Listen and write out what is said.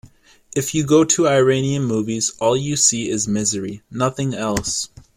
If you go to Iranian movies all you see is misery - nothing else.